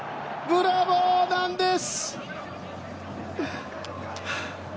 ブラボーなんです！